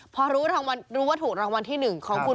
พอรู้ว่าถูกรางวัลที่หนึ่งของคุณ